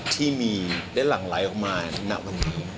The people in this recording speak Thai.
ที่มีและหลั่งไลน์ออกมาหน้าวันนี้